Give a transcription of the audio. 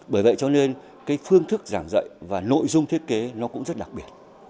bởi vậy cho nên cái phương thức giảng dạy và nội dung thiết kế nó cũng rất đặc biệt